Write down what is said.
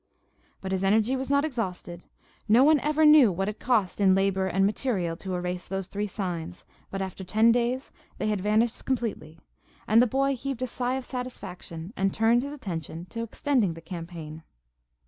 But his energy was not exhausted. No one ever knew what it cost in labor and material to erase those three signs; but after ten days they had vanished completely, and the boy heaved a sigh of satisfaction and turned his attention to extending the campaign.